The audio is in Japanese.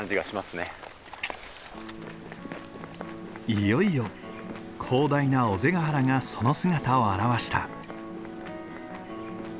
いよいよ広大な尾瀬ヶ原がその姿を現した。